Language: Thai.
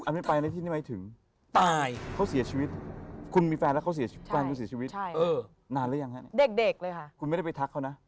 อันเป็นไปอะไรที่นี่หมายถึงตายเขาเสียชีวิตคุณมีแฟนแล้วเขาเสียชีวิต